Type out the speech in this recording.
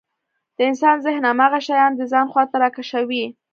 د انسان ذهن هماغه شيان د ځان خواته راکشوي.